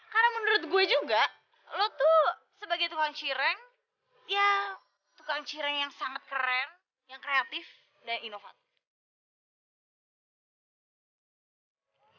karena menurut gue juga lo tuh sebagai tukang cireng ya tukang cireng yang sangat keren yang kreatif dan inovatif